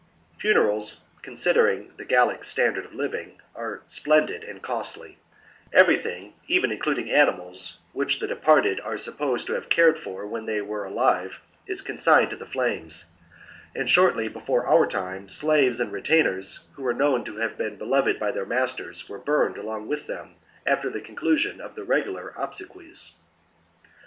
Funerals, considering the Gallic standard of living, are splendid and costly : everything, even includ ing animals, which the departed are supposed to have cared for when they were alive, is consigned to the flames ; and shortly before our time slaves and retainers who were known to have been be loved by their masters were burned along with them after the conclusion of the regular obsequies.